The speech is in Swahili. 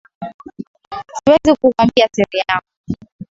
Siwezi kukuambia siri yangu